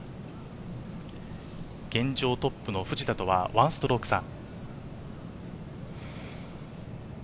現状トップの藤田とは１ストローク差。